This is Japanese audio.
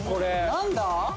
何だ？